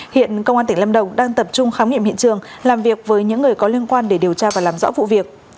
hiện công an tỉnh lâm đồng đang tập trung khám nghiệm hiện trường làm việc với những người có liên quan để điều tra và làm rõ vụ việc